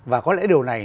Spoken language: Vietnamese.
và có lẽ điều này